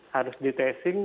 harus di tracing